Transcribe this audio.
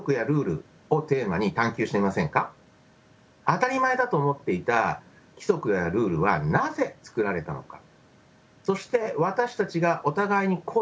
当たり前だと思っていた規則やルールはなぜ作られたのか。